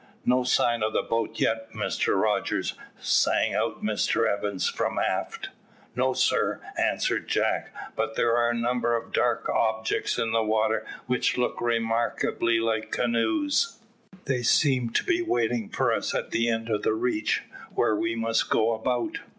"No sign of the boat yet, Mr Rogers?" sang out Mr Evans, from aft. "No, sir," answered Jack; "but there are a number of dark objects in the water which look remarkably like canoes. They seem to be waiting for us at the end of the reach, where we must go about."